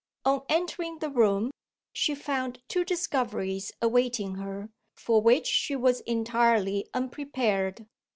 On entering the room, she found two discoveries awaiting her, for which she was entirely unprepared.